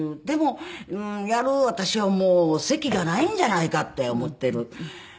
でもやる私はもう席がないんじゃないかって思ってる。